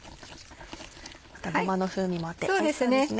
またごまの風味もあっておいしそうですね。